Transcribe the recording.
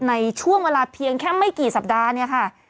ในช่วงเวลาเพียงแค่ไม่กี่สัปดาห์เนี่ยค่ะ